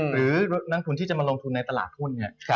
หรือนักทุนที่จะมาลงทุนในตลาดหุ้นเนี่ย